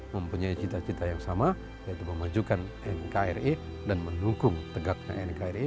mempunyai cita cita yang sama yaitu memajukan nkri dan mendukung tegaknya nkri